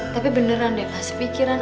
tapi beneran deh pas pikiran